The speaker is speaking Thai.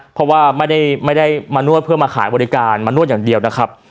เพราะว่าไม่ได้มานวดเพื่อมาขายบริการมานวดอย่างเดียวนะครับ